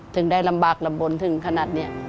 ถึงได้ลำบากลำบลถึงขนาดนี้